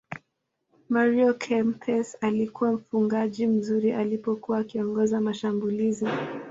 mario kempes alikuwa mfungaji mzuri alipokuwa akiongoza mashambulizi